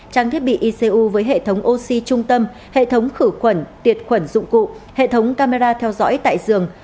trang thiết bị icu với hệ thống oxy trung tâm hệ thống khử khuẩn tiệt khuẩn dụng cụ hệ thống camera theo dõi tại giường